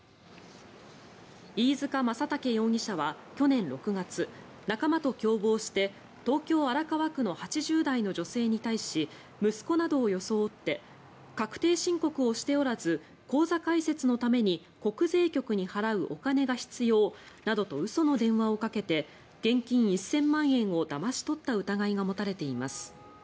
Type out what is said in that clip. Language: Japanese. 飯塚将虎容疑者は去年６月仲間と共謀して東京・荒川区の８０代の女性に対し息子などを装って確定申告をしておらず口座開設のために国税局に払うお金が必要などと嘘の電話をかけて現金１０００万円をだまし取った疑いが持たれています。